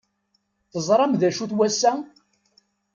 Teẓram d acu-t wass-a?